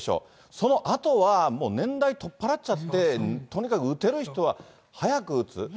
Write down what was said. そのあとは、もう年代取っ払っちゃって、とにかく打てる人は早く打つ。